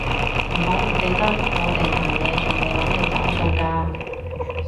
唔好唔記得我哋壇野仲未搵你找數㗎